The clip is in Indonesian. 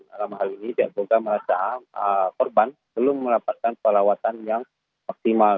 dalam hal ini pihak polda merasa korban belum mendapatkan perawatan yang optimal